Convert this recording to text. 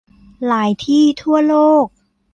หลายที่ทั่วโลก